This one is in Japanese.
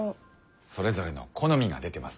それぞれの好みが出てますね。